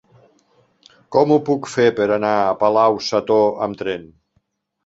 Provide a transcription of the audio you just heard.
Com ho puc fer per anar a Palau-sator amb tren?